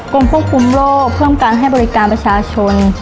ควบคุมโรคเพิ่มการให้บริการประชาชน